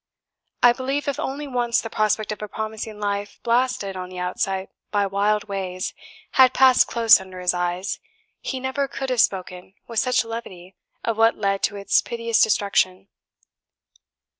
I believe, if only once the prospect of a promising life blasted on the outset by wild ways had passed close under his eyes, he never COULD have spoken with such levity of what led to its piteous destruction.